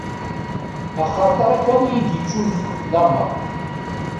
Axaṭer akka i yi-d-ittunefk lameṛ.